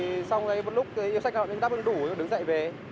thì xong rồi một lúc yêu sách nọ cũng đắp đủ rồi đứng dậy về